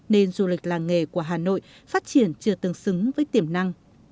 nên du lịch làng nghề của hà nội phát triển chưa tương xứng với tiềm năng